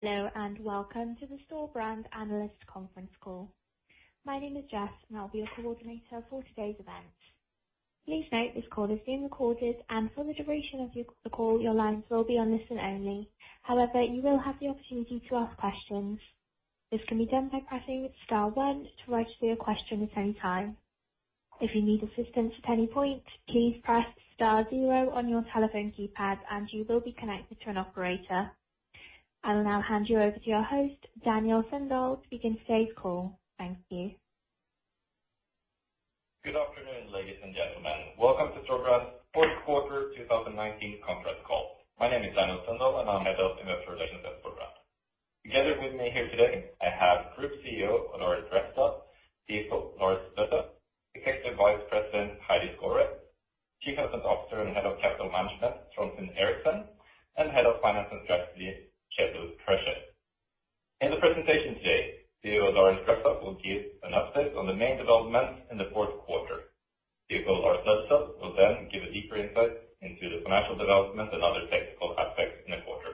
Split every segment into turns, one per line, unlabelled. Hello, and welcome to the Storebrand Analyst Conference Call. My name is Jess, and I'll be your coordinator for today's event. Please note, this call is being recorded, and for the duration of the call, your lines will be on listen only. However, you will have the opportunity to ask questions. This can be done by pressing star one to register your question at any time. If you need assistance at any point, please press star zero on your telephone keypad, and you will be connected to an operator. I will now hand you over to your host, Daniel Sundahl, to begin today's call. Thank you.
Good afternoon, ladies and gentlemen. Welcome to Storebrand's fourth quarter 2019 conference call. My name is Daniel Sundahl, and I'm Head of Investor Relations at Storebrand. Together with me here today, I have Group CEO Odd Arild Grefstad, CFO Lars Løddesøl, Executive Vice President Heidi Skaaret, Chief Investment Officer and Head of Capital Management Trond Finn Eriksen, and Head of Finance and Strategy Kjetil Krøkje. In the presentation today, CEO Odd Grefstad will give an update on the main developments in the fourth quarter. CFO Lars Løddesøl will then give a deeper insight into the financial development and other technical aspects in the quarter.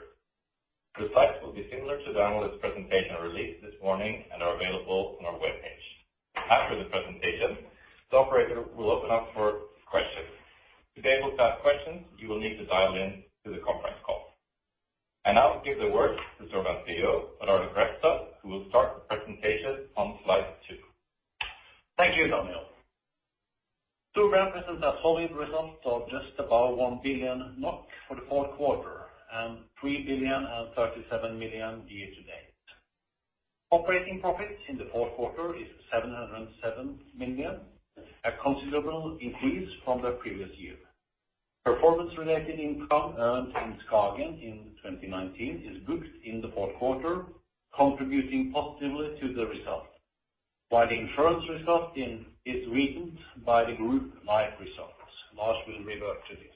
The slides will be similar to download this presentation released this morning, and are available on our web page. After the presentation, the operator will open up for questions. To be able to ask questions, you will need to dial in to the conference call. I now give the word to Storebrand CEO, Odd Arild Grefstad, who will start the presentation on slide 2.
Thank you, Daniel. Storebrand presents a solid result of just about 1 billion NOK for the fourth quarter, and 3.037 billion year to date. Operating profits in the fourth quarter is 707 million, a considerable increase from the previous year. Performance-related income earned in Skagen in 2019 is booked in the fourth quarter, contributing positively to the result, while the insurance result is weakened by the group life results. Lars will revert to this.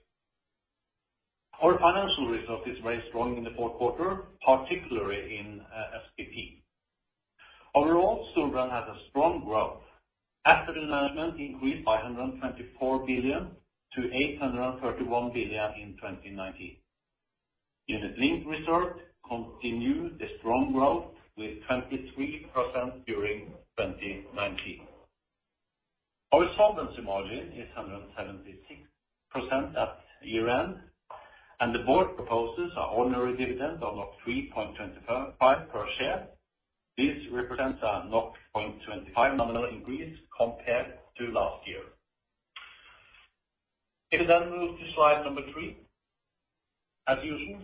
Our financial result is very strong in the fourth quarter, particularly in SPP. Overall, Storebrand has a strong growth. Asset management increased by 124 billion to 831 billion in 2019. Unit Linked reserve continued a strong growth with 23% during 2019. Our solvency margin is 176% at year-end, and the Board proposes an ordinary dividend of 3.25 per share. This represents a 0.25 nominal increase compared to last year. If we then move to slide number 3. As usual,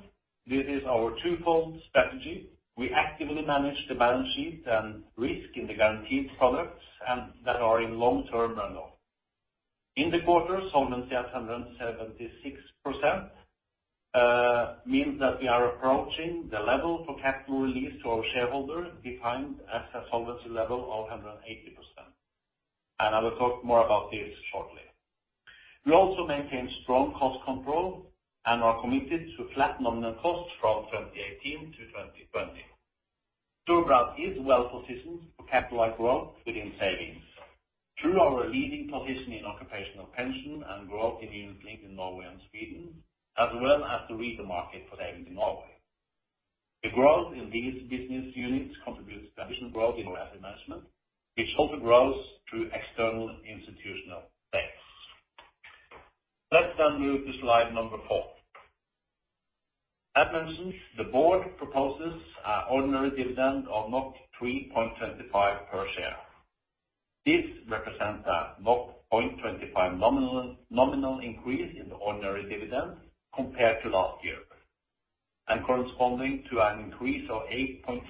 this is our twofold strategy. We actively manage the balance sheet and risk in the guaranteed products, and that are in long-term runoff. In the quarter, solvency at 176%, means that we are approaching the level for capital release to our shareholders, defined as a solvency level of 180%, and I will talk more about this shortly. We also maintain strong cost control and are committed to flat nominal costs from 2018 to 2020. Storebrand is well positioned for capitalized growth within savings. Through our leading position in occupational pension and growth in Unit Linked in Norway and Sweden, as well as the retail market for savings in Norway. The growth in these business units contributes to additional growth in our asset management, which also grows through external institutional banks. Let's then move to slide number 4. As mentioned, the Board proposes an ordinary dividend of 3.25 per share. This represents a 0.25 nominal, nominal increase in the ordinary dividend compared to last year, and corresponding to an increase of 8.3%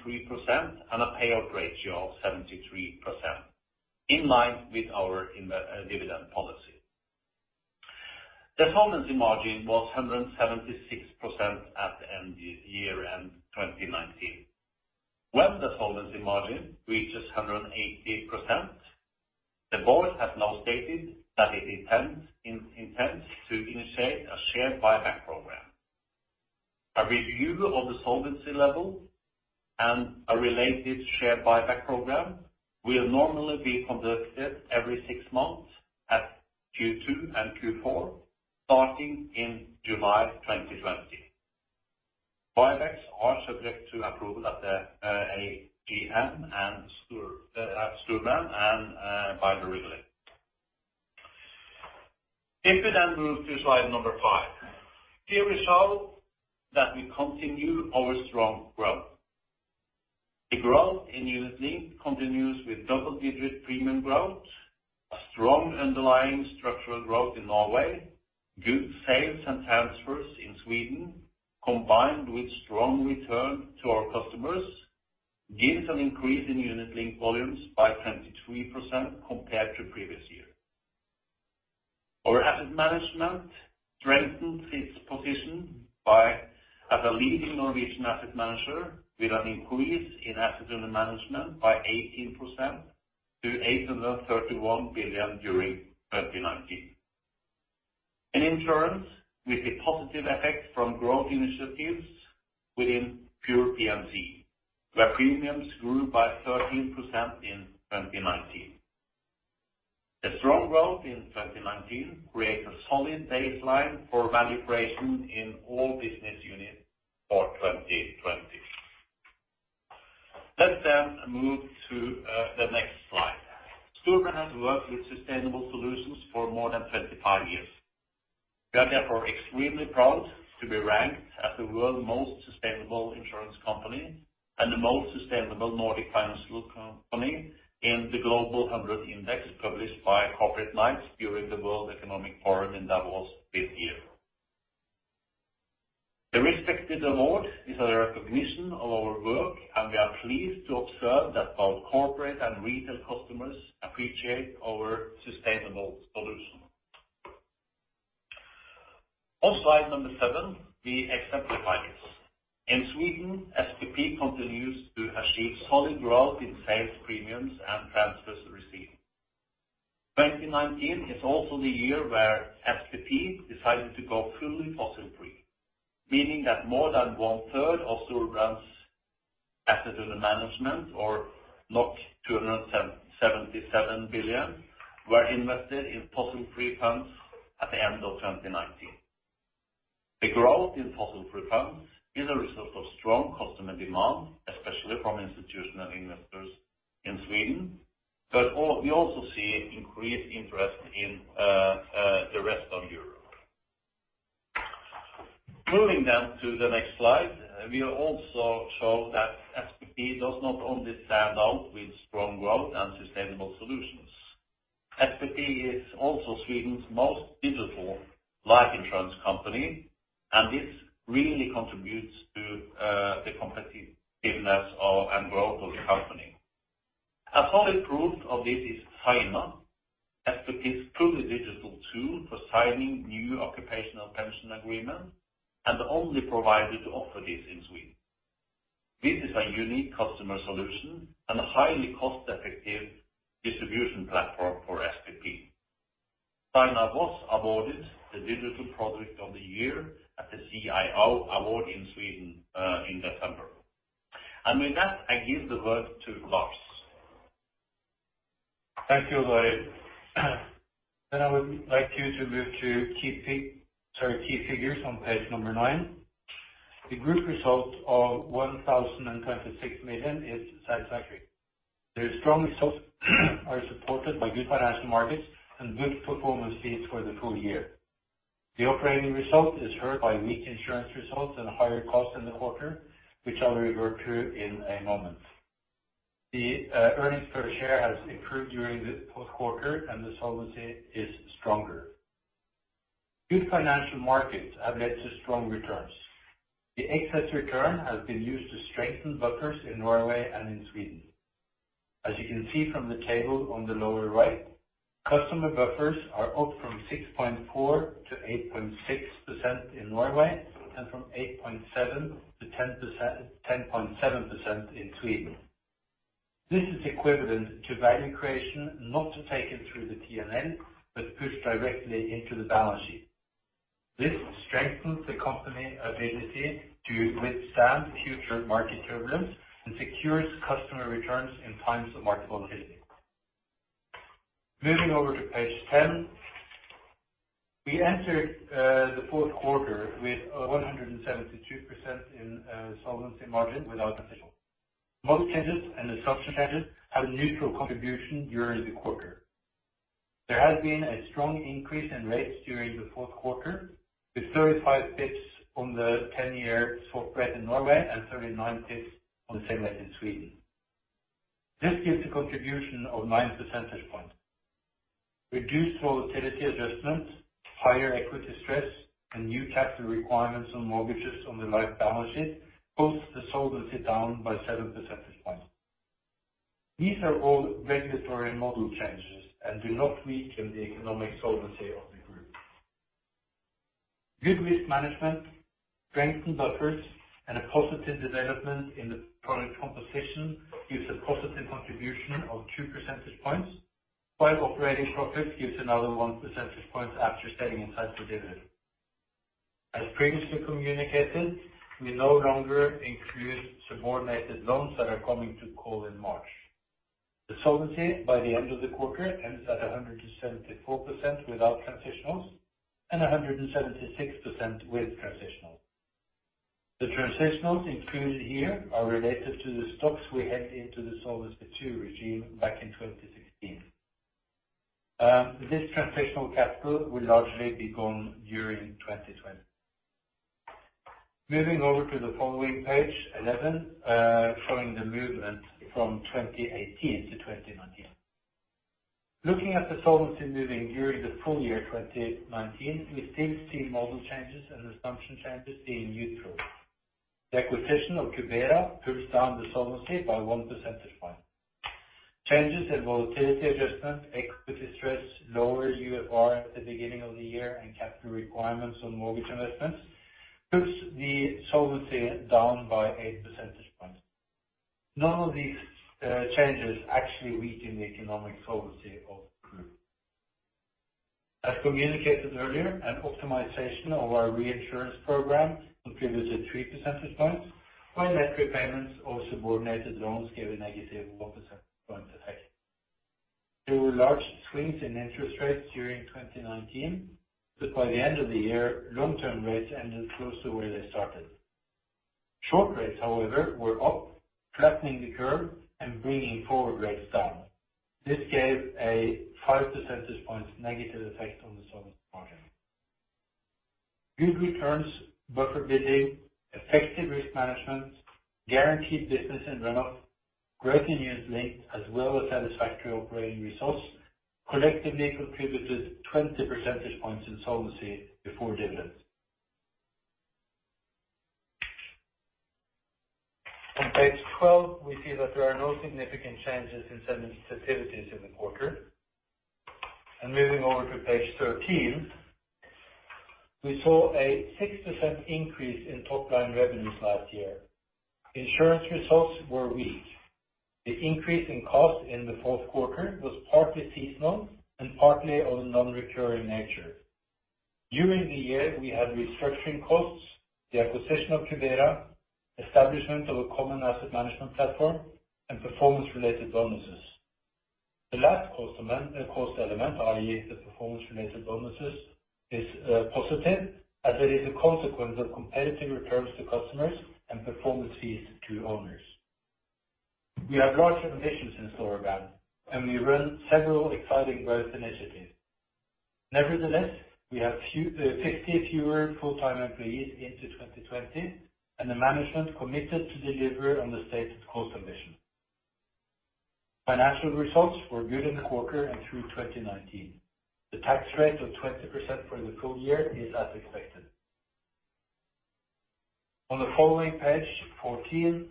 and a payout ratio of 73%, in line with our invest- dividend policy. The solvency margin was 176% at the end of year-end 2019. When the solvency margin reaches 180%, the Board has now stated that it intends to initiate a share buyback program. A review of the solvency level and a related share buyback program will normally be conducted every six months at Q2 and Q4, starting in July 2020. Buybacks are subject to approval at the AGM and Storebrand and by the regulator. If we then move to slide number 5. Here we show that we continue our strong growth. The growth in Unit Linked continues with double digit premium growth, a strong underlying structural growth in Norway, good sales and transfers in Sweden, combined with strong return to our customers, gives an increase in Unit Linked volumes by 23% compared to previous year. Our asset management strengthens its position by as a leading Norwegian asset manager, with an increase in asset under management by 18% to 831 billion during 2019. In insurance, we see positive effects from growth initiatives within pure P&C, where premiums grew by 13% in 2019. The strong growth in 2019 creates a solid baseline for value creation in all business units for 2020. Let's then move to the next slide. Storebrand has worked with sustainable solutions for more than 25 years. We are therefore extremely proud to be ranked as the world's most sustainable insurance company and the most sustainable Nordic financial company in the Global 100 Index, published by Corporate Knights during the World Economic Forum in Davos this year. The respected award is a recognition of our work, and we are pleased to observe that our corporate and retail customers appreciate our sustainable solution. On slide number 7, we exemplify this. In Sweden, SPP continues to achieve solid growth in sales premiums and transfers received. 2019 is also the year where SPP decided to go fully fossil-free, meaning that more than 1/3 of Storebrand's assets under management, or 277 billion, were invested in fossil-free funds at the end of 2019. The growth in fossil-free funds is a result of strong customer demand, especially from institutional investors in Sweden, but we also see increased interest in the rest of Europe. Moving then to the next slide, we have also shown that SPP does not only stand out with strong growth and sustainable solutions. SPP is also Sweden's most digital life insurance company, and this really contributes to the competitiveness of, and growth of the company. A solid proof of this is Sajna, SPP's fully digital tool for signing new occupational pension agreements, and the only provider to offer this in Sweden. This is a unique customer solution and a highly cost-effective distribution platform for SPP. Sajna was awarded the Digital Project of the Year at the CIO Awards in Sweden, in December. With that, I give the word to Lars.
Thank you, Arild. Then I would like you to move to key figures on page 9. The group result of 1,026 million is satisfactory. The strong results are supported by good financial markets and good performance fees for the full year. The operating result is hurt by weak insurance results and higher costs in the quarter, which I will go through in a moment. The earnings per share has improved during the fourth quarter, and the solvency is stronger. Good financial markets have led to strong returns. The excess return has been used to strengthen buffers in Norway and in Sweden. As you can see from the table on the lower right, customer buffers are up from 6.4% to 8.6% in Norway and from 8.7% to 10.7% in Sweden. This is equivalent to value creation, not taken through the P&L, but pushed directly into the balance sheet. This strengthens the company's ability to withstand future market turbulence and secures customer returns in times of market volatility. Moving over to page 10. We entered the fourth quarter with 172% in solvency margin without transitional. Most changes and the subsequent changes have a neutral contribution during the quarter. There has been a strong increase in rates during the fourth quarter, with 35 bps on the 10-year swap spread in Norway and 39 bps on the same rate in Sweden. This gives a contribution of 9 percentage points. Reduced volatility adjustments, higher equity stress, and new capital requirements on mortgages on the life balance sheet pushed the solvency down by 7 percentage points. These are all regulatory model changes and do not weaken the economic solvency of the group. Good risk management, strengthened buffers, and a positive development in the product composition gives a positive contribution of 2 percentage points, while operating profit gives another 1 percentage point after setting aside the dividend. As previously communicated, we no longer include subordinated loans that are coming to call in March. The solvency by the end of the quarter ends at 174% without transitionals and 176% with transitionals. The transitionals included here are related to the stocks we had into the Solvency II regime back in 2016. This transitional capital will largely be gone during 2020. Moving over to the following page 11 showing the movement from 2018 to 2019. Looking at the solvency moving during the full year 2019, we still see model changes and assumption changes being neutral. The acquisition of Cubera pushed down the solvency by 1 percentage point. Changes in volatility adjustment, equity stress, lower UFR at the beginning of the year, and capital requirements on mortgage investments, pushed the solvency down by 8 percentage points. None of these changes actually weaken the economic solvency of the group. As communicated earlier, an optimization of our reinsurance program contributed 3 percentage points, while net repayments of subordinated loans gave a negative 1 percentage point effect. There were large swings in interest rates during 2019, but by the end of the year, long-term rates ended close to where they started. Short rates, however, were up, flattening the curve and bringing forward rates down. This gave a 5 percentage points negative effect on the solvency margin. Good returns, buffer building, effective risk management, guaranteed business and runoff, growth in Unit Linked, as well as satisfactory operating results, collectively contributed 20 percentage points in solvency before dividends. On page 12, we see that there are no significant changes in sensitivities in the quarter. Moving over to page 13, we saw a 6% increase in top line revenues last year. Insurance results were weak. The increase in cost in the fourth quarter was partly seasonal and partly of a non-recurring nature. During the year, we had restructuring costs, the acquisition of Cubera, establishment of a common asset management platform, and performance-related bonuses. The last cost element, i.e., the performance-related bonuses, is positive, as it is a consequence of competitive returns to customers and performance fees to owners. We have large ambitions in Storebrand, and we run several exciting growth initiatives. Nevertheless, we have few, 60 fewer full-time employees into 2020, and the management committed to deliver on the stated cost ambition. Financial results were good in the quarter and through 2019. The tax rate of 20% for the full year is as expected. On the following page, 14,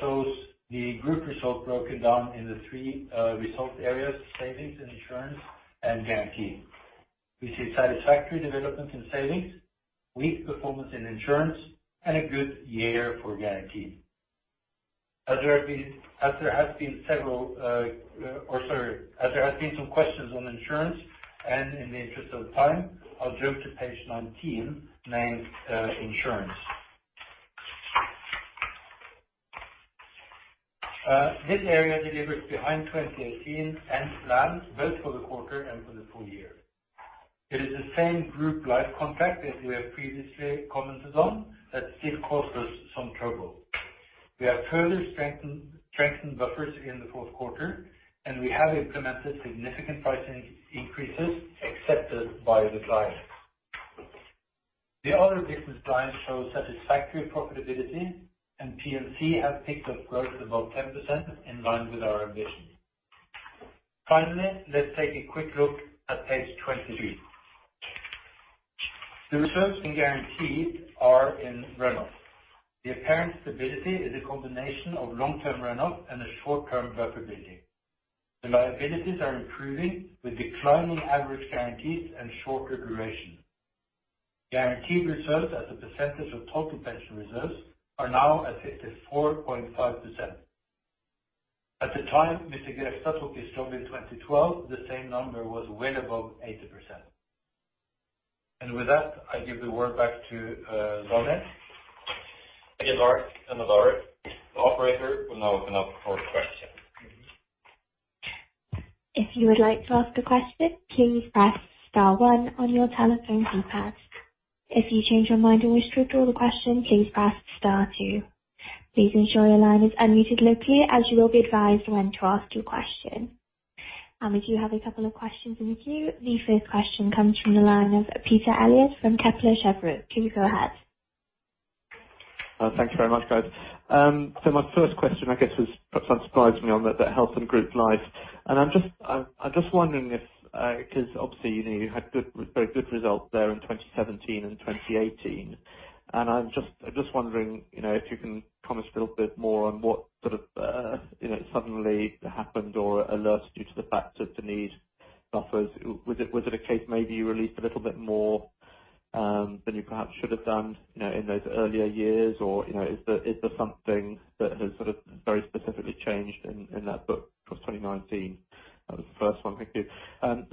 shows the group results broken down in the 3 result areas: savings and insurance and guarantees. We see satisfactory developments in savings, weak performance in insurance, and a good year for guarantees. As there have been some questions on insurance, and in the interest of time, I'll jump to page 19, named Insurance. This area delivered behind 2018 and plans, both for the quarter and for the full year. It is the same group life contract as we have previously commented on, that still caused us some trouble. We have further strengthened, strengthened buffers in the fourth quarter, and we have implemented significant pricing increases accepted by the clients. The other business lines show satisfactory profitability, and P&C have picked up growth above 10% in line with our ambition. Finally, let's take a quick look at page 22. The reserves in guarantees are in runoff. The apparent stability is a combination of long-term runoff and a short-term buffer building. The liabilities are improving, with declining average guarantees and shorter duration. Guaranteed reserves as a percentage of total pension reserves are now at 54.5%. At the time Mr. Grefstad took his job in 2012, the same number was well above 80%. And with that, I give the word back to Daniel.
Thank you, Lars and Odd Arild. Operator will now open up for questions.
If you would like to ask a question, please press star one on your telephone keypad. If you change your mind and wish to withdraw the question, please press star two. Please ensure your line is unmuted and clear, as you will be advised when to ask your question. We do have a couple of questions in the queue. The first question comes from the line of Peter Eliot from Kepler Cheuvreux. Please go ahead.
Thank you very much, guys. So my first question, I guess, is perhaps unsurprisingly on the health and group life, and I'm just wondering if, because obviously, you know, you had good, very good results there in 2017 and 2018. And I'm just wondering, you know, if you can comment a little bit more on what sort of, you know, suddenly happened or else due to the fact that the claims suffer. Was it a case maybe you released a little bit more than you perhaps should have done, you know, in those earlier years? Or, you know, is there something that has sort of very specifically changed in that book across 2019? That was the first one. Thank you.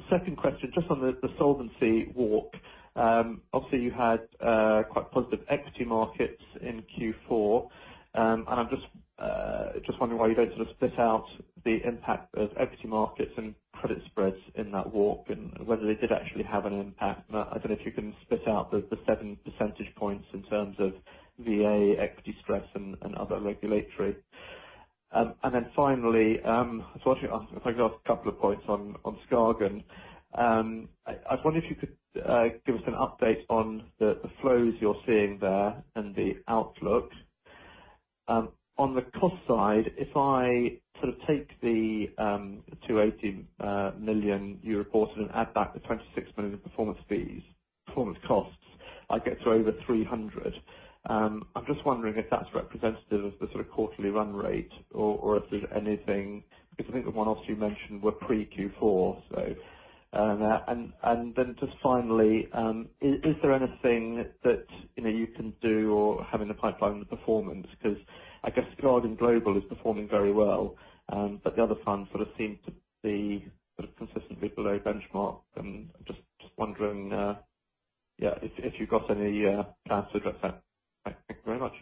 Second question, just on the solvency walk. Obviously, you had quite positive equity markets in Q4. I'm just wondering why you don't sort of split out the impact of equity markets and credit spreads in that walk and whether they did actually have an impact. I don't know if you can split out the 7 percentage points in terms of VA, equity stress, and other regulatory. Then finally, I was wondering if I could ask a couple of points on Skagen. I wonder if you could give us an update on the flows you're seeing there and the outlook. On the cost side, if I sort of take the 280 million you reported and add back the 26 million in performance fees, performance costs, I get to over 300 million. I'm just wondering if that's representative of the sort of quarterly run rate or, or if there's anything... Because I think the one-offs you mentioned were pre-Q4, so. And then just finally, is there anything that, you know, you can do or have in the pipeline with performance? Because I guess Skagen Global is performing very well, but the other funds sort of seem to be sort of consistently below benchmark, and I'm just wondering... Yeah, if you've got any time to address that. Thank you very much.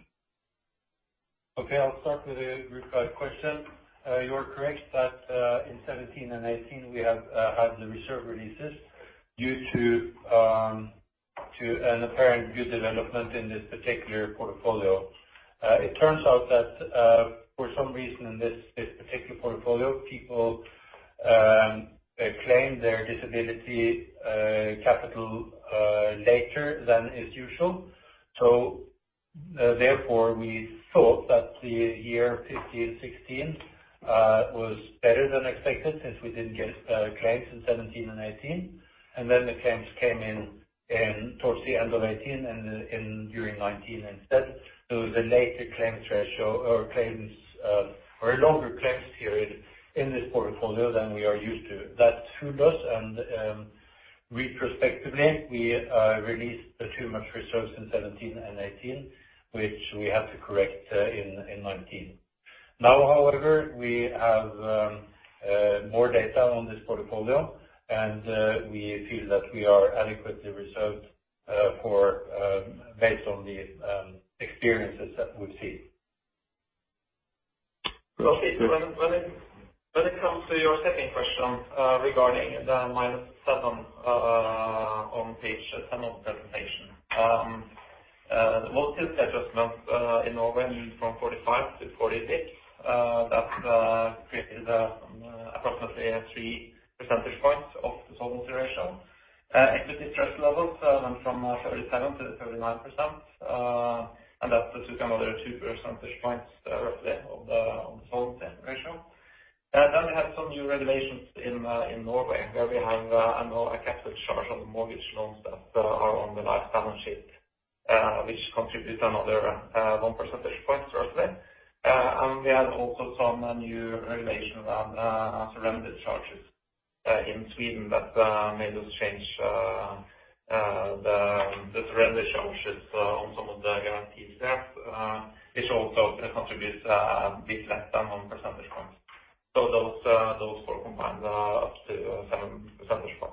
Okay, I'll start with a group question. You are correct that in 2017 and 2018, we have had the reserve releases due to to an apparent good development in this particular portfolio. It turns out that for some reason, in this particular portfolio, people they claim their disability capital later than is usual. So therefore, we thought that the year 2015, 2016 was better than expected since we didn't get claims in 2017 and 2018. And then the claims came in towards the end of 2018 and in during 2019 instead. So the later claim ratio or claims or a longer claims period in this portfolio than we are used to. That fooled us, and retrospectively, we released too much reserves in 2017 and 2018, which we had to correct in 2019. Now, however, we have more data on this portfolio, and we feel that we are adequately reserved for based on the experiences that we've seen.
Okay. When it comes to your second question, regarding the -7% on page 10 of the presentation. Volatility adjustments in Norway moved from 45 to 46. That created approximately 3 percentage points of the solvency ratio. Equity stress levels went from 37% to 39%, and that's just another 2 percentage points, roughly, on the solvency ratio. Then we have some new regulations in Norway, where we have another capital charge on the mortgage loans that are on the life balance sheet, which contributes another 1 percentage point roughly. And we had also some new regulation around surrender charges in Sweden that made us change the surrender charges on some of the guarantees there, which also contributes a bit less than 1 percentage point. So those four combined up to 7 percentage points.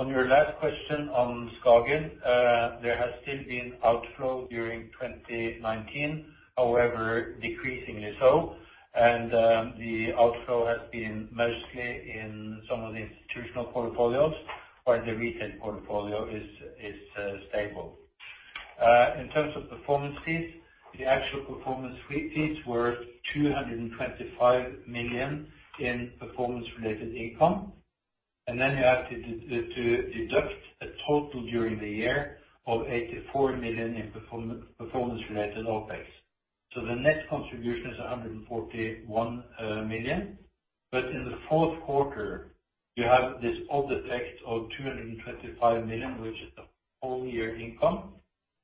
On your last question on Skagen, there has still been outflow during 2019, however, decreasingly so, and the outflow has been mostly in some of the institutional portfolios, while the retail portfolio is stable. In terms of performance fees, the actual performance fees were 225 million in performance-related income. And then you have to deduct a total during the year of 84 million in performance-related OpEx. So the net contribution is 141 million. But in the fourth quarter, you have this other effect of 225 million, which is the whole year income,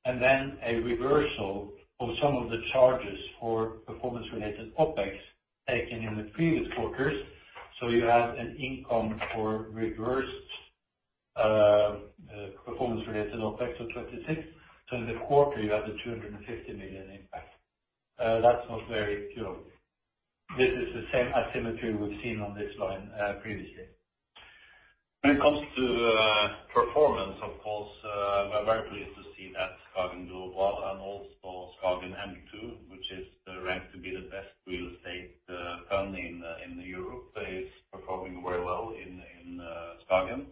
and then a reversal of some of the charges for performance-related OpEx taken in the previous quarters. So you have an income for reversed performance-related OpEx of 26 million. So in the quarter, you have the 250 million impact. That's not very clear. This is the same asymmetry we've seen on this line, previously.
When it comes to the performance, of course, we're very pleased to see that Skagen doing well and also Skagen m2 too, which is ranked to be the best real estate fund in Europe. It's performing very well in Skagen.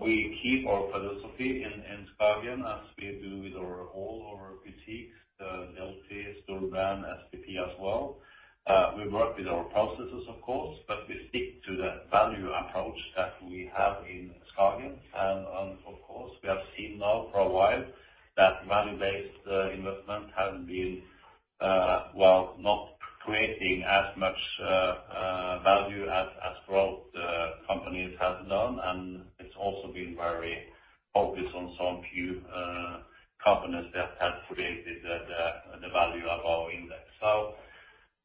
We keep our philosophy in Skagen, as we do with our all our boutiques, Delphi, Storebrand, SPP as well. We work with our processes, of course, but we stick to the value approach that we have in Skagen. Of course, we have seen now for a while that value-based investment haven't been not creating as much value as growth companies have done. And it's also been very focused on some few companies that have created the value of our index. So,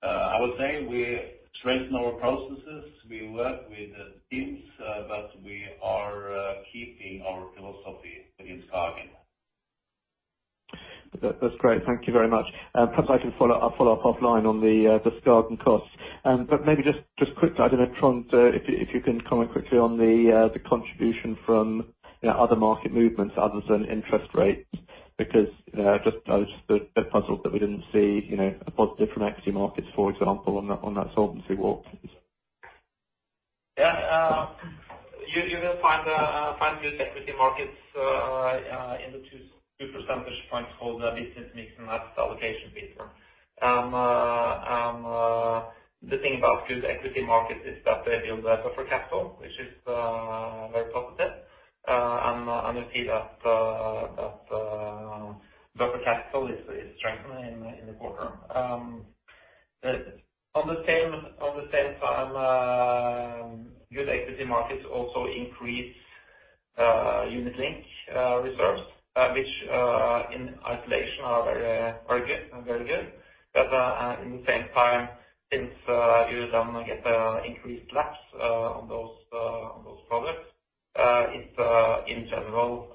I would say we strengthen our processes, we work with the teams, but we are keeping our philosophy in Skagen.
That, that's great. Thank you very much. Perhaps I can follow up, I'll follow up offline on the, the Skagen costs. But maybe just, just quickly, I don't know, Trond, if, if you can comment quickly on the, the contribution from, you know, other market movements other than interest rates, because, you know, just, I was just a bit puzzled that we didn't see, you know, a positive from equity markets, for example, on that, on that solvency walk.
Yeah. You will find good equity markets in the 2 percentage points for the business mix and asset allocation paper. The thing about good equity markets is that they build buffer capital, which is very positive. You see that buffer cash flow is strengthening in the quarter. On the same time, good equity markets also increase Unit Linked reserves, which in isolation are very, very good and very good. But, at the same time, since you then get increased lapses on those products, it in general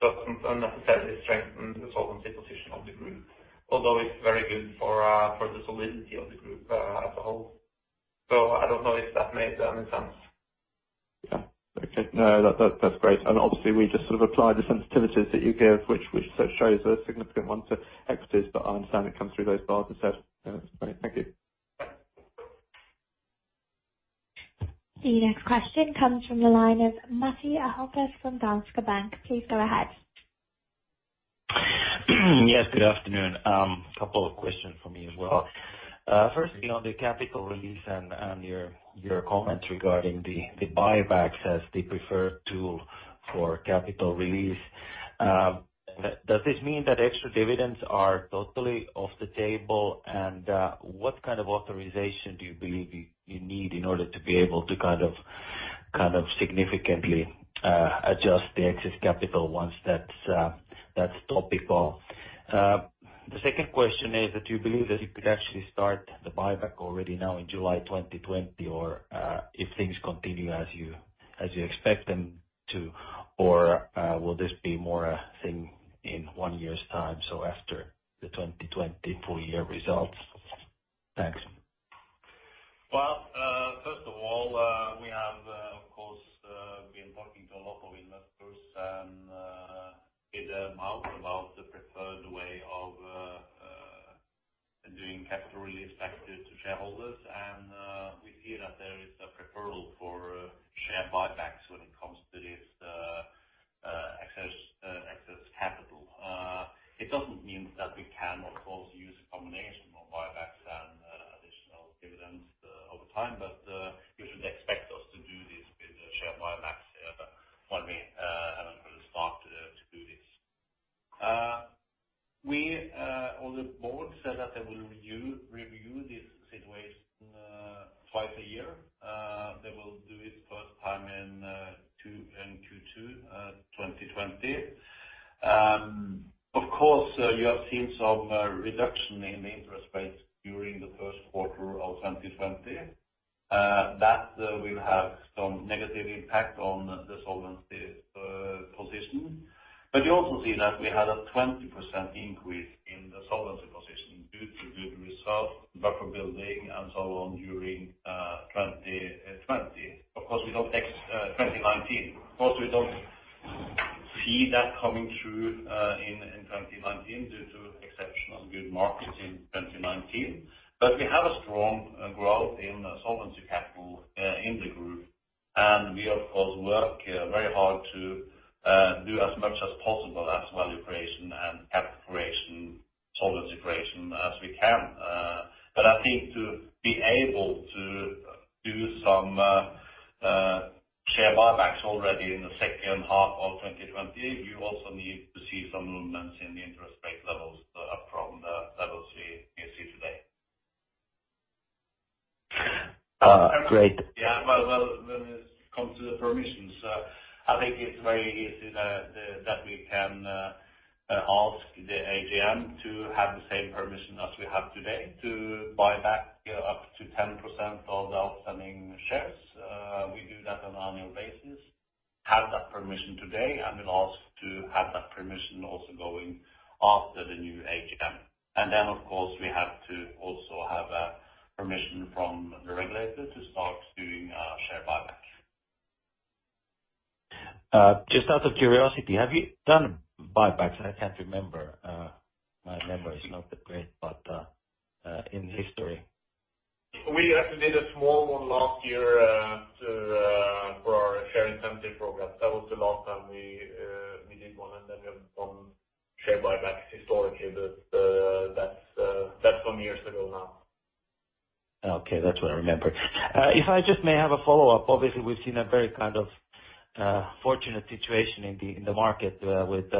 doesn't necessarily strengthen the solvency position of the group, although it's very good for the solvency of the group as a whole. So I don't know if that made any sense.
Yeah. Okay. No, that, that, that's great. And obviously, we just sort of apply the sensitivities that you give, which, which sort of shows a significant one to equities. But I understand it comes through those bars instead. Thank you.
The next question comes from the line of Matti Ahokas from Danske Bank. Please go ahead.
Yes, good afternoon. A couple of questions from me as well. First, beyond the capital release and your comments regarding the buybacks as the preferred tool for capital release, does this mean that extra dividends are totally off the table? And what kind of authorization do you believe you need in order to be able to kind of significantly adjust the excess capital once that's top it off? The second question is that you believe that you could actually start the buyback already now in July 2020, or if things continue as you expect them to, or will this be more a thing in one year's time, so after the 2020 full year results? Thanks.
Well, first of all, we have, of course, been talking to a lot of investors, and with them about the preferred way of doing capital release back to shareholders. And we hear that there is a preference for share buybacks when it comes to this excess capital. It doesn't mean that we cannot, of course, use a combination of buybacks and additional dividends over time. But you should expect us to do this with the share buybacks here, but when we have a good start to do this. We on the Board said that they will review this situation twice a year. They will do it first time in Q2 2020. Of course, you have seen some reduction in the interest rates during the first quarter of 2020. That will have some negative impact on the solvency position. But you also see that we had a 20% increase in the solvency position due to good results, buffer building and so on during 2020. Of course, we don't take 2019. Of course, we don't see that coming through in 2019 due to exceptional good markets in 2019. But we have a strong growth in solvency capital in the group, and we of course work very hard to do as much as possible as value creation and capital creation, solvency creation as we can. But I think to be able to do some share buybacks already in the second half of 2020, you also need to see some movements in the interest rate levels from the levels we see today.
Uh, great.
Yeah. Well, when it comes to the permissions, I think it's very easy that we can ask the AGM to have the same permission as we have today to buy back up to 10% of the outstanding shares. We do that on annual basis, have that permission today, and we'll ask to have that permission also going after the new AGM. And then, of course, we have to also have permission from the regulator to start doing share buyback.
Just out of curiosity, have you done buybacks? I can't remember. My memory is not that great, but, in history.
We actually did a small one last year for our share incentive program. That was the last time we did one, and then we have done share buybacks historically, but that's some years ago now.
Okay, that's what I remembered. If I just may have a follow-up. Obviously, we've seen a very kind of fortunate situation in the market with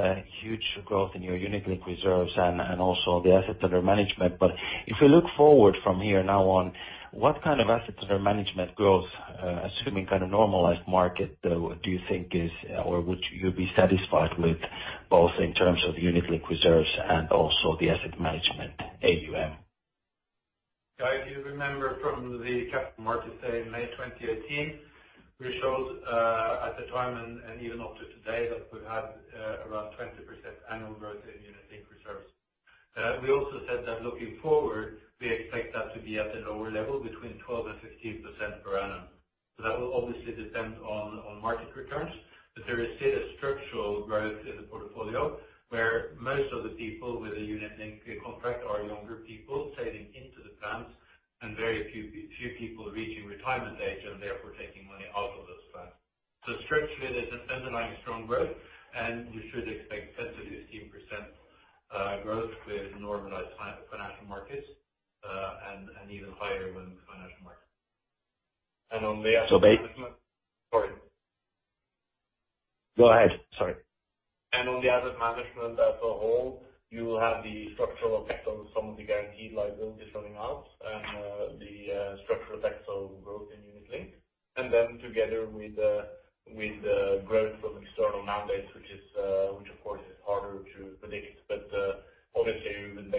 huge growth in your Unit Linked reserves and also the assets under management. But if we look forward from here now on, what kind of assets under management growth, assuming kind of normalized market, do you think is, or would you be satisfied with, both in terms of Unit Linked reserves and also the asset management, AUM?
If you remember from the Capital Markets Day in May 2018, we showed at the time and even up to today that we've had around 20% annual growth in Unit Linked reserves. We also said that looking forward, we expect that to be at a lower level between 12%-15% per annum. So that will obviously depend on market returns, but there is still a structural growth in the portfolio where most of the people with a Unit Linked contract are younger people saving into the plans, and very few people reaching retirement age and therefore taking money out of those plans. So structurally, there's an underlying strong growth, and you should expect 10%-15% growth with normalized financial markets, and even higher when financial markets. And on the asset management. Sorry.
Go ahead, sorry.
On the asset management as a whole, you will have the structural effect of some of the guaranteed liabilities running out and the structural effect of growth in Unit Linked. Then together with the growth of external mandates, which of course is harder to predict, but obviously we wouldn't expect as high growth rate in asset management as you would expect in Unit Linked.
Great. Thanks a lot.
The next question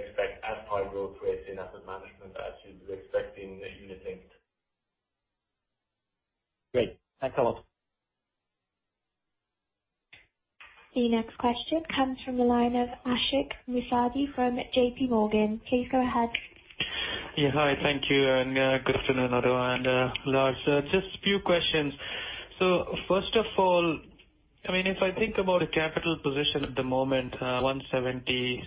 comes from the line of Ashik Musaddi from JP Morgan. Please go ahead.
Yeah. Hi, thank you, and good afternoon, everyone, and Lars. Just a few questions. So first of all, I mean, if I think about the capital position at the moment, 176%,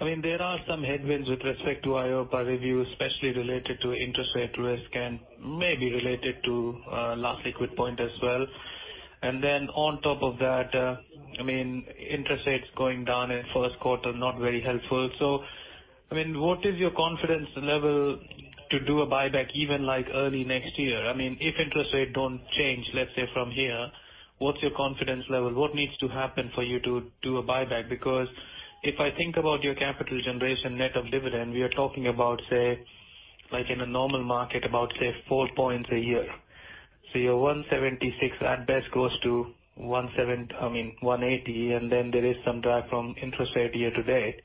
I mean, there are some headwinds with respect to EIOPA review, especially related to interest rate risk and maybe related to Last Liquid Point as well. And then on top of that, I mean, interest rates going down in first quarter, not very helpful. So, I mean, what is your confidence level to do a buyback even like early next year? I mean, if interest rates don't change, let's say from here, what's your confidence level? What needs to happen for you to do a buyback? Because if I think about your capital generation net of dividend, we are talking about, say, like in a normal market, about, say, 4 points a year. So your 176 at best goes to one seven... I mean, 180, and then there is some drag from interest rate year to date.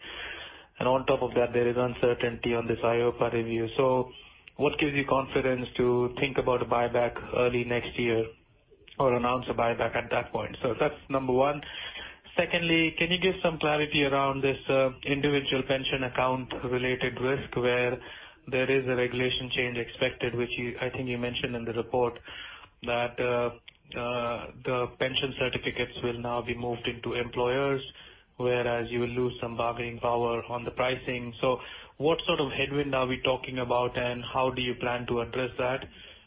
And on top of that, there is uncertainty on this EIOPA review. So what gives you confidence to think about a buyback early next year or announce a buyback at that point? So that's number one. Secondly, can you give some clarity around this individual pension account related risk, where there is a regulation change expected, which you—I think you mentioned in the report, that the pension certificates will now be moved into employers, whereas you will lose some bargaining power on the pricing. So what sort of headwind are we talking about, and how do you plan to address that?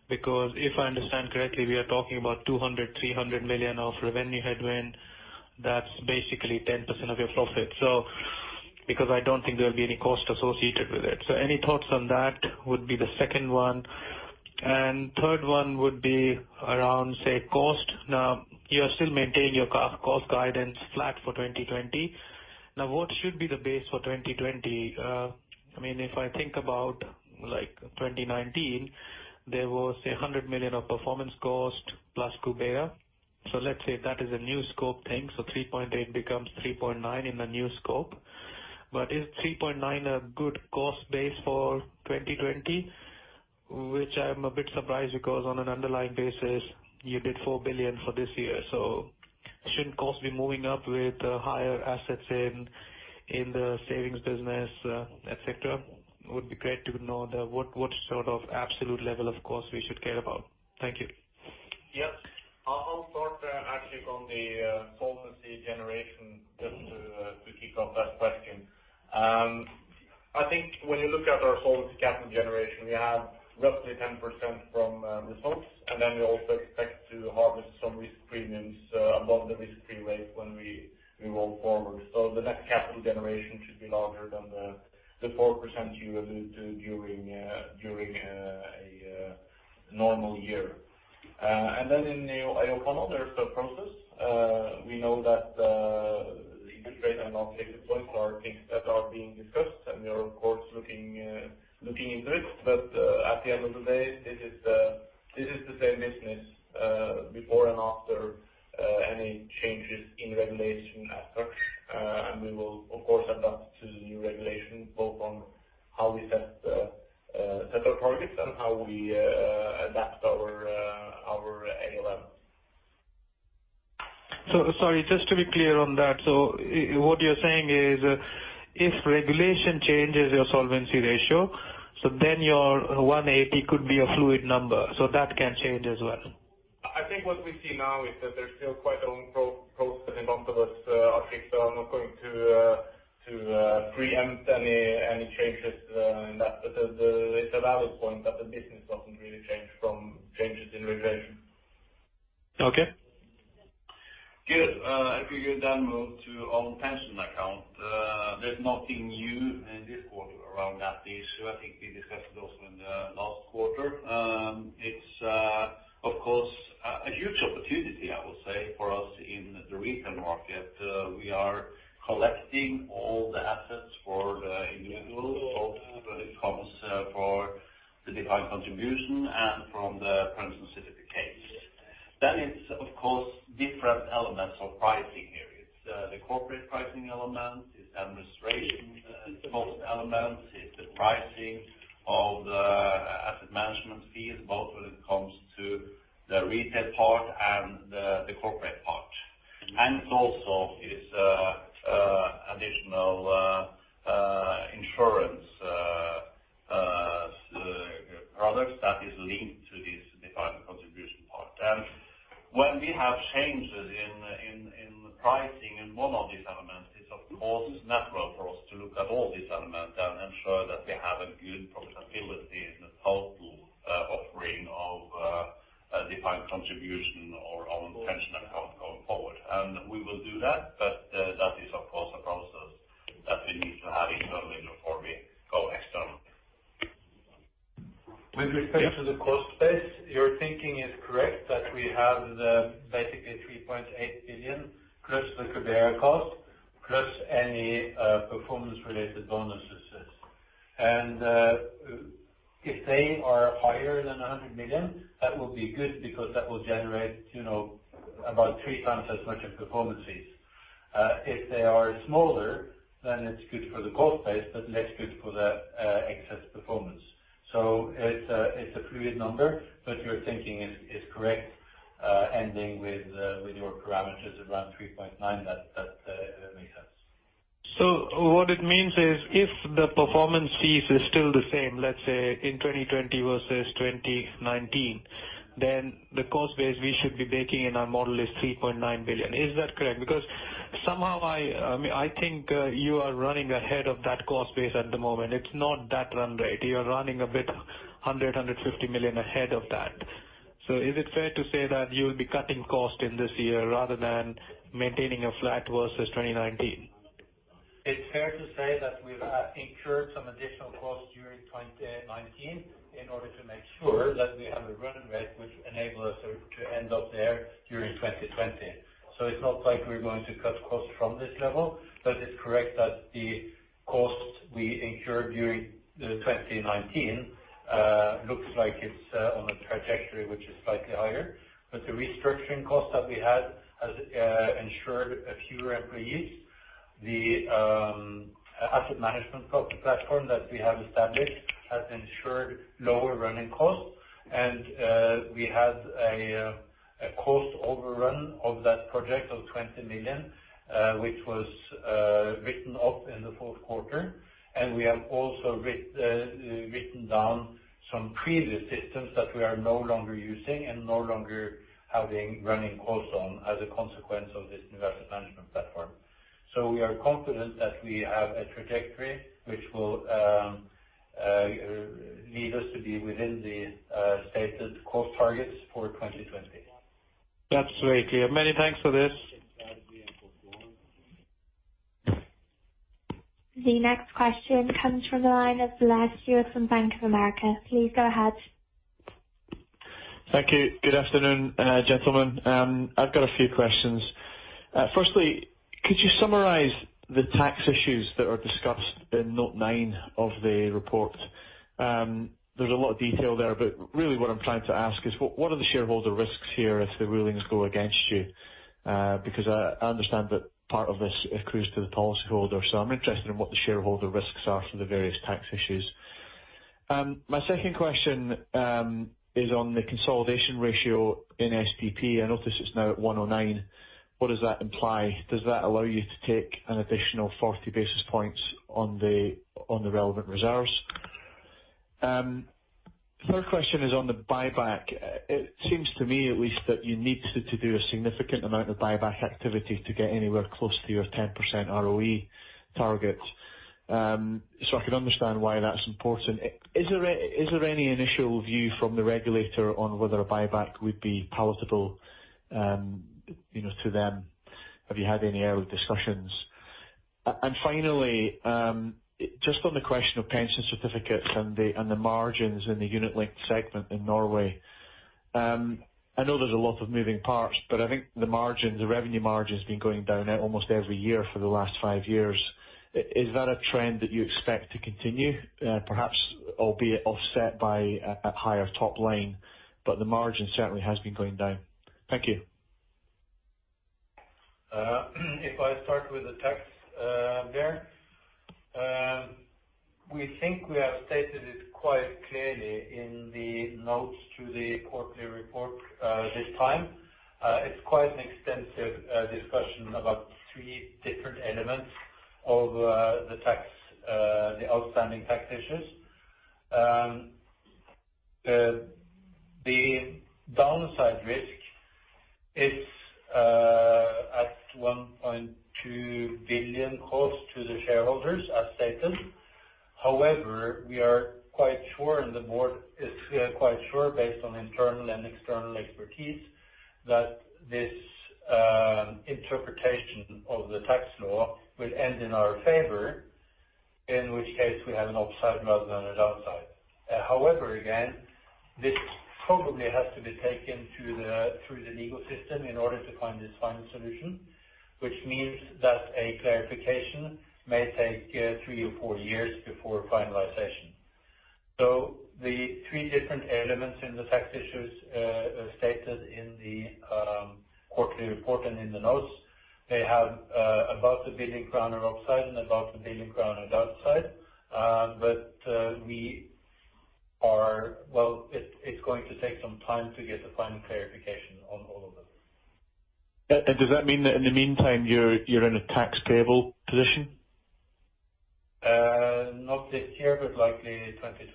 Because if I understand correctly, we are talking about 200 million-300 million of revenue headwind. That's basically 10% of your profit. So because I don't think there will be any cost associated with it. So any thoughts on that would be the second one. And third one would be around, say, cost. Now, you are still maintaining your cost guidance flat for 2020. Now, what should be the base for 2020? I mean, if I think about, like, 2019, there was 100 million of performance cost plus Cubera. So let's say that is a new scope thing, so 3.8 becomes 3.9 in the new scope. But is 3.9 a good cost base for 2020? Which I'm a bit surprised because on an underlying basis, you did 4 billion for this year. So shouldn't cost be moving up with higher assets in the savings business, et cetera? Would be great to know what sort of absolute level, of course, we should care about. Thank you.
Yes. I'll start, actually, on the, solvency generation, just to, to kick off that question. I think when you look at our solvency capital generation, we have roughly 10% from, results, and then we also expect to harvest some risk premiums, above the risk-free rate when we, we roll forward. So the next capital generation should be larger than the, the 4% you alluded to during, during, a, normal year. And then in the EIOPA, there is a process. We know that, interest rate and Last Liquid Point are things that are being discussed, and we are, of course, looking, looking into it. But, at the end of the day, this is the, this is the same business, before and after, any changes in regulation as such. We will, of course, adapt to the new regulation, both on how we set our targets and how we adapt our AUM.
So sorry, just to be clear on that. So what you're saying is, if regulation changes your solvency ratio, so then your 180% could be a fluid number, so that can change as well?
I think what we see now is that there's still quite a long process in front of us, Ashik, so I'm not going to preempt any changes in that. But it's a valid point that the business doesn't really change from changes in regulation.
Okay.
Good. If we then move to Own Pension Account, there's nothing new in this quarter around that issue. I think we discussed it also in the last quarter. It's, of course, a huge opportunity, I would say, for us in the retail market. We are collecting all the assets for the individual, both when it comes for the defined contribution and from the pension certificates. Then it's, of course, different elements of pricing here. It's the corporate pricing element, it's administration cost elements, it's the pricing of the asset management fees, both when it comes to the retail part and the corporate part. And also, it's additional insurance products that is linked to this defined contribution part. And when we have changes in pricing in one of these elements, it's, of course, natural for us to look at all these elements and ensure that we have a good profitability in the total offering of a defined contribution or Own Pension Account going forward. And we will do that, but that is, of course, a process that we need to have internally before we go externally.
With respect to the cost base, your thinking is correct, that we have basically 3.8 billion, plus the Cubera cost, plus any performance-related bonuses. And if they are higher than 100 million, that will be good because that will generate, you know, about 3x as much as performances. If they are smaller, then it's good for the cost base, but less good for the excess performance. So it's a fluid number, but your thinking is correct, ending with your parameters around 3.9, that makes sense.
So what it means is, if the performance fees is still the same, let's say, in 2020 versus 2019, then the cost base we should be baking in our model is 3.9 billion. Is that correct? Because somehow I think you are running ahead of that cost base at the moment. It's not that run rate. You're running a bit 100 million-150 million ahead of that. So is it fair to say that you'll be cutting costs in this year rather than maintaining a flat versus 2019?
It's fair to say that we've incurred some additional costs during 2019 in order to make sure that we have a run rate which enable us to end up there during 2020. So it's not like we're going to cut costs from this level, but it's correct that the costs we incurred during 2019 looks like it's on a trajectory which is slightly higher. But the restructuring costs that we had has ensured fewer employees. The asset management platform that we have established has ensured lower running costs. And we had a cost overrun of that project of 20 million which was written off in the fourth quarter. We have also written down some previous systems that we are no longer using and no longer having running costs on as a consequence of this investment management platform. So we are confident that we have a trajectory which will lead us to be within the stated cost targets for 2020.
Absolutely clear. Many thanks for this.
The next question comes from the line of Blair Stewart from Bank of America. Please go ahead.
Thank you. Good afternoon, gentlemen. I've got a few questions. Firstly, could you summarize the tax issues that are discussed in note 9 of the report? There's a lot of detail there, but really what I'm trying to ask is, what are the shareholder risks here if the rulings go against you? Because I understand that part of this accrues to the policyholder, so I'm interested in what the shareholder risks are for the various tax issues. My second question is on the consolidation ratio in SPP. I notice it's now at 109. What does that imply? Does that allow you to take an additional 40 basis points on the relevant reserves? Third question is on the buyback. It seems to me at least, that you need to do a significant amount of buyback activity to get anywhere close to your 10% ROE target. So I can understand why that's important. Is there any initial view from the regulator on whether a buyback would be palatable, you know, to them? Have you had any early discussions? And finally, just on the question of pension certificates and the margins in the Unit Linked segment in Norway. I know there's a lot of moving parts, but I think the margins, the revenue margin has been going down now almost every year for the last five years. Is that a trend that you expect to continue? Perhaps albeit offset by a higher top line, but the margin certainly has been going down. Thank you.
If I start with the tax, we think we have stated it quite clearly in the notes to the quarterly report, this time. It's quite an extensive discussion about three different elements of the tax, the outstanding tax issues. The downside risk is at 1.2 billion cost to the shareholders, as stated. However, we are quite sure, and the Board is quite sure, based on internal and external expertise, that this interpretation of the tax law will end in our favor, in which case we have an upside rather than a downside. However, again, this probably has to be taken through the legal system in order to find this final solution, which means that a clarification may take three or four years before finalization. So the three different elements in the tax issues, as stated in the quarterly report and in the notes, they have about 1 billion crown of upside and about 1 billion crown of downside. But we are... Well, it, it's going to take some time to get a final clarification on all of them.
Does that mean that in the meantime, you're in a tax payable position?
Not this year, but likely 2020.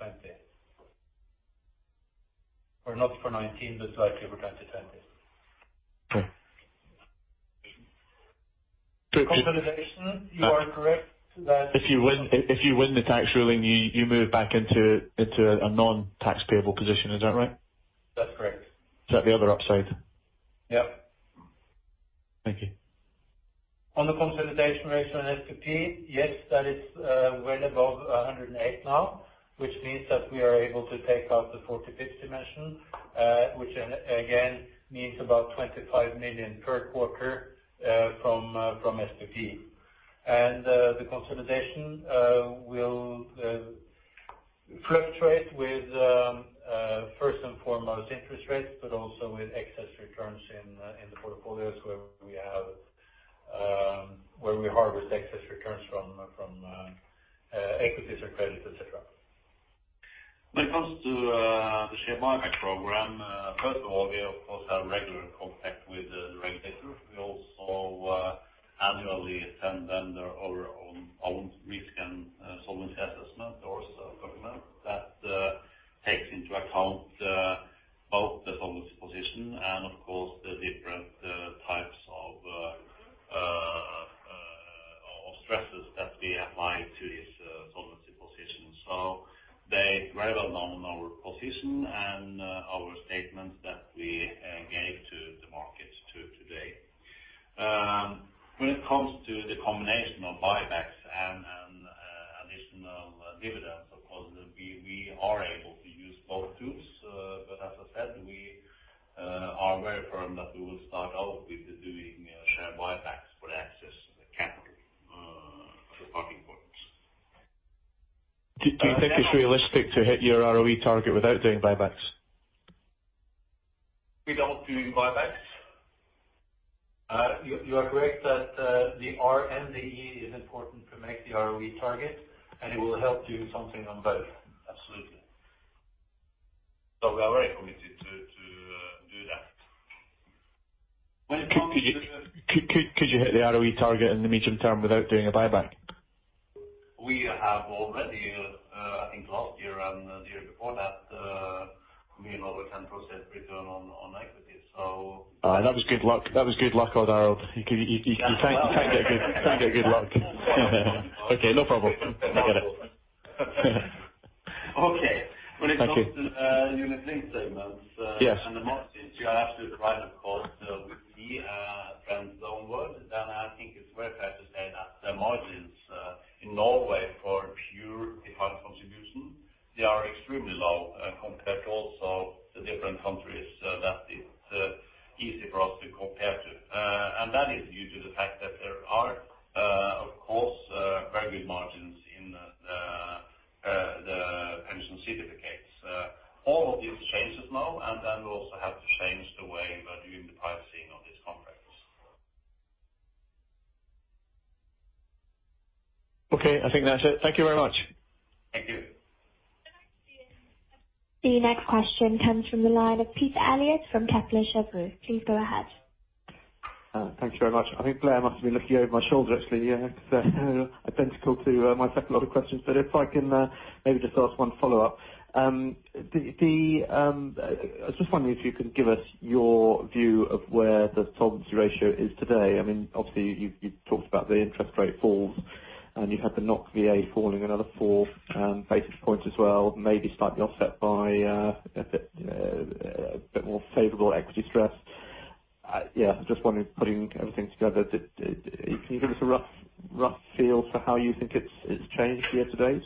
Or not for 2019, but likely for 2020.
Okay.
Consolidation, you are correct that.
If you win the tax ruling, you move back into a non-tax payable position. Is that right?
That's correct.
Is that the other upside?
Yep.
Thank you.
On the consolidation ratio in SPP, yes, that is, well above 108 now, which means that we are able to take out the 40-50 mentioned, which again, means about 25 million per quarter, from SPP. And the consolidation, will fluctuate with, first and foremost, interest rates, but also with excess returns in the portfolios where we harvest excess returns from equities or credits, et cetera.
When it comes to the share buyback program, first of all, we of course have regular contact with the regulators. We also annually send them our own risk and solvency assessment or document that takes into account both the solvency position and of course the different types of stresses that we apply to this solvency position. So they rely on our position and our statements that we gave to the markets today. When it comes to the combination of buybacks and additional dividends, of course, we are able to use both tools. But as I said, we are very firm that we will start out with doing share buybacks for excess capital talking points.
Do you think it's realistic to hit your ROE target without doing buybacks?
Without doing buybacks? You are correct that the R and the E is important to make the ROE target, and it will help do something on both.
Absolutely. So we are very committed to do that. When it comes to.
Could you hit the ROE target in the medium term without doing a buyback? that's it. Thank you very much.
Thank you.
The next question comes from the line of Peter Eliot from Kepler Cheuvreux. Please go ahead.
Thank you very much. I think Blair must have been looking over my shoulder, actually, yeah, identical to my second lot of questions. But if I can maybe just ask one follow-up. I was just wondering if you could give us your view of where the solvency ratio is today. I mean, obviously, you've, you've talked about the interest rate falls, and you've had the NOK VA falling another 4 basis points as well, maybe slightly offset by a bit, a bit more favorable equity stress. Yeah, just wondering, putting everything together, can you give us a rough, rough feel for how you think it's, it's changed year to date?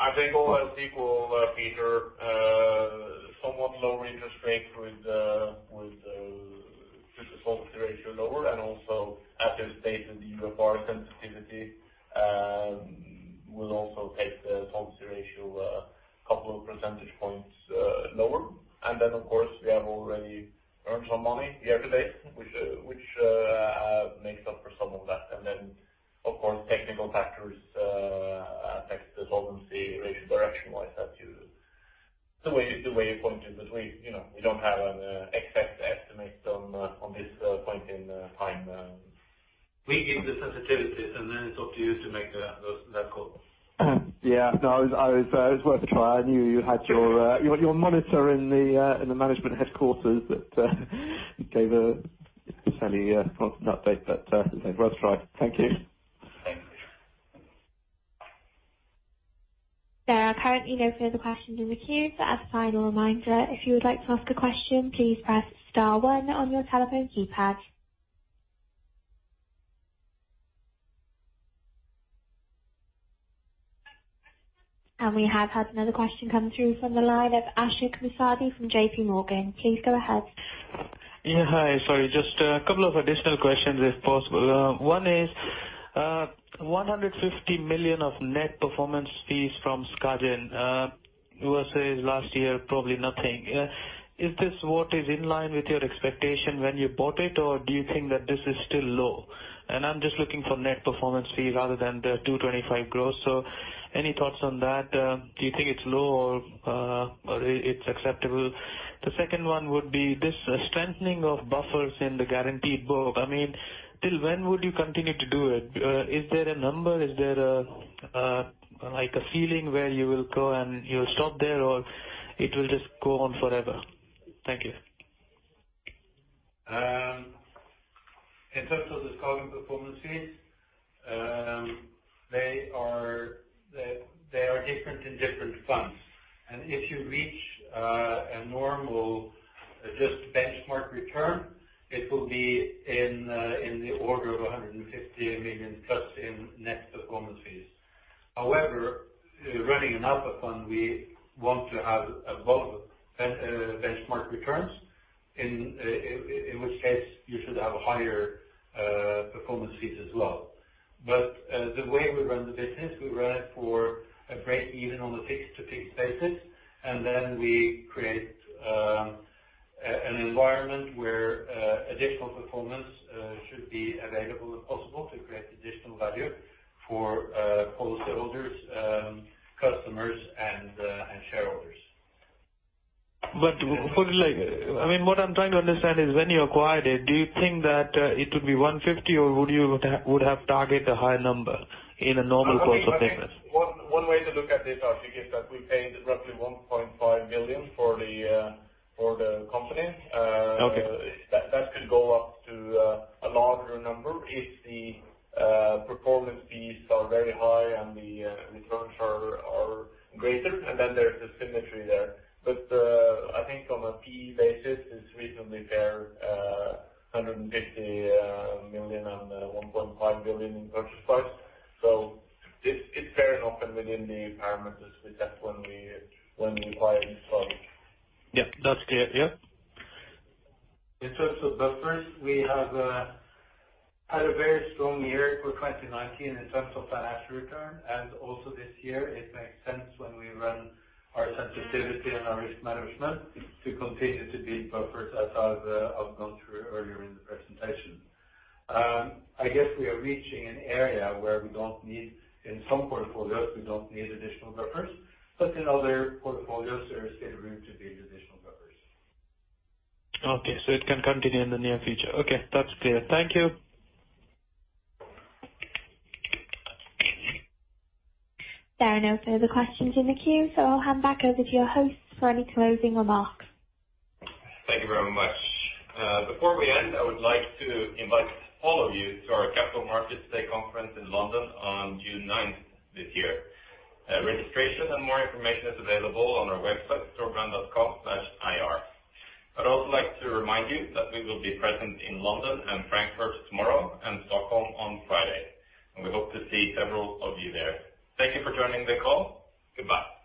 I think all else equal, Peter, somewhat lower interest rates with the solvency ratio lower and also asset side and the UFR sensitivity will also take the solvency ratio a couple of percentage points lower. And then, of course, we have already earned some money year to date, which makes up for some of that. And then, of course, technical factors affect the solvency ratio direction wise, as to the way it pointed. But we, you know, we don't have an exact estimate on this point in time.
We give the sensitivities, and then it's up to you to make that call.
Yeah. No, I was, it was worth a try. I knew you had your monitor in the management headquarters that gave a fairly constant update, but it was worth a try. Thank you.
Thank you.
There are currently no further questions in the queue. But as a final reminder, if you would like to ask a question, please press star one on your telephone keypad. And we have had another question come through from the line of Ashik Musaddi from JP Morgan. Please go ahead.
Yeah, hi. Sorry, just a couple of additional questions, if possible. One is, 150 million of net performance fees from Skagen, you were saying last year, probably nothing. Is this what is in line with your expectation when you bought it, or do you think that this is still low? And I'm just looking for net performance fee rather than the 225 million growth. So any thoughts on that? Do you think it's low or, or it's acceptable? The second one would be this strengthening of buffers in the guaranteed book. I mean, till when would you continue to do it? Is there a number, is there a, like a ceiling where you will go, and you'll stop there, or it will just go on forever? Thank you.
In terms of the Skagen performance fees, they are different in different funds. If you reach a normal, just benchmark return, it will be in the order of 150 million plus in net performance fees. However, running an alpha fund, we want to have above benchmark returns, in which case you should have higher performance fees as well. But the way we run the business, we run it for a break even on a fixed-to-fixed basis, and then we create an environment where additional performance should be available, if possible, to create additional value for policyholders, customers, and shareholders.
I mean, what I'm trying to understand is when you acquired it, do you think that it would be 150, or would you, would have targeted a higher number in a normal course of business?
One way to look at this, Ashik, is that we paid roughly 1.5 billion for the company.
Okay.
That, that could go up to a larger number if the performance fees are very high and the returns are greater. And then there's the symmetry there. But I think on a PE basis, it's reasonably fair, 150 million on 1.5 billion in purchase price. So it, it's fair and open within the parameters we set when we acquired Skagen.
Yeah, that's clear. Yeah.
In terms of buffers, we have had a very strong year for 2019 in terms of financial return, and also this year, it makes sense when we run our sensitivity and our risk management to continue to build buffers, as I've gone through earlier in the presentation. I guess we are reaching an area where we don't need... in some portfolios, we don't need additional buffers, but in other portfolios, there is still room to build additional buffers.
Okay, so it can continue in the near future. Okay, that's clear. Thank you.
There are no further questions in the queue, so I'll hand back over to your hosts for any closing remarks.
Thank you very much. Before we end, I would like to invite all of you to our Capital Markets Day conference in London on June ninth this year. Registration and more information is available on our website, storebrand.com/ir. I'd also like to remind you that we will be present in London and Frankfurt tomorrow, and Stockholm on Friday, and we hope to see several of you there. Thank you for joining the call. Goodbye.